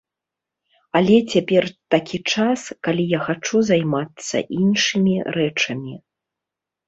Але цяпер такі час, калі я хачу займацца іншымі рэчамі.